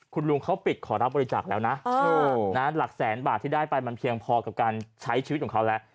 คุณลุงเขาปิดขอรับบริจาคแล้วนะหลักแสนบาทที่ได้ไปมันเพียงพอกับการใช้ชีวิตของเขาแล้ว